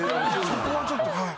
そこはちょっとはい。